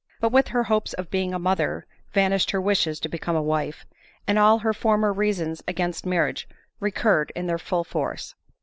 But with her hopes of being a mother vanished her wishes to become a wife, and all her former reasons against marriage recurred in their full force.